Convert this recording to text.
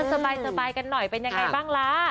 สบายกันหน่อยเป็นยังไงบ้างล่ะ